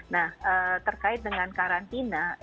nah terkait dengan karantina